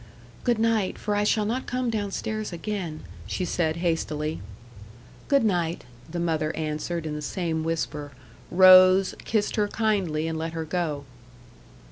"Good night, for I shall not come down stairs again," she said hastily. "Good night," the mother answered in the same whisper rose, kissed her kindly, and let her go.